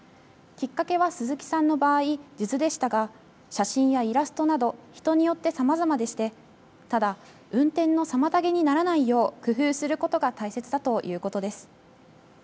きっかけは鈴木さんの場合、数珠でしたが写真やイラストなど人によってさまざまでしてただ運転の妨げにならないように工夫することが大切ということです。